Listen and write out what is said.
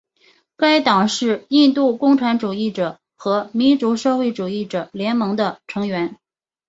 该党是印度共产主义者和民主社会主义者联盟的成员。